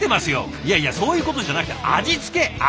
いやいやそういうことじゃなくて味付け味！